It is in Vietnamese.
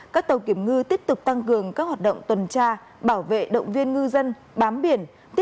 các tàu kiểm ngư tiếp tục tăng cường các hoạt động tuần tra bảo vệ động viên ngư dân bám biển